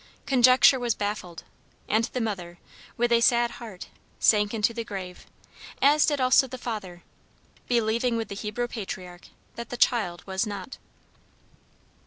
Conjecture was baffled, and the mother, with a sad heart, sank into the grave, as did also the father, believing with the Hebrew patriarch that the "child was not."